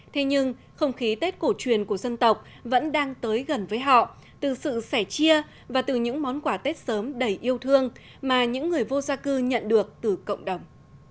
thế nhưng không khí tết cổ truyền của dân tộc vẫn đang tới gần với họ từ sự sẻ chia và từ những món quà tết sớm đầy yêu thương mà những người vô gia cư nhận được từ cộng đồng